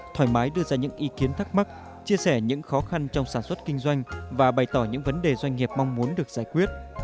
thoải mái đưa ra những ý kiến thắc mắc chia sẻ những khó khăn trong sản xuất kinh doanh và bày tỏ những vấn đề doanh nghiệp mong muốn được giải quyết